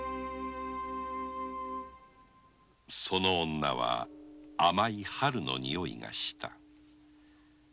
女は甘い春のにおいがした。